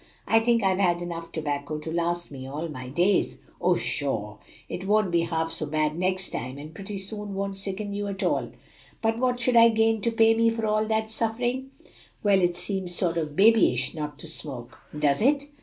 "I think I've had enough tobacco to last me all my days." "O pshaw! it won't be half so bad next time, and pretty soon won't sicken you at all." "But what should I gain to pay me for all the suffering?" "Well, it seems sort o' babyish not to smoke." "Does it?